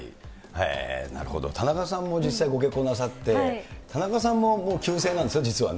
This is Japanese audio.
なるほど、田中さんも実際ご結婚なさって、田中さんも旧姓なんですよね、実はね。